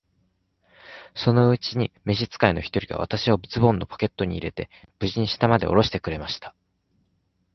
そのうちに召使の一人が、私をズボンのポケットに入れて、無事に下までおろしてくれました。